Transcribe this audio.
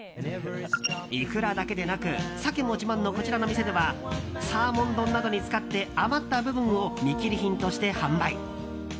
イクラだけでなくサケも自慢のこちらの店ではサーモン丼などに使って余った部分を見切り品として販売。